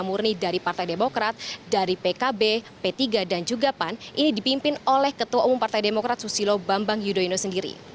murni dari partai demokrat dari pkb p tiga dan juga pan ini dipimpin oleh ketua umum partai demokrat susilo bambang yudhoyono sendiri